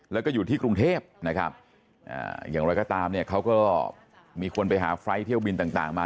แล้วก็อยู่ที่กรุงเทพนะครับอย่างไรก็ตามเนี่ยเขาก็มีคนไปหาไฟล์ทเที่ยวบินต่างมา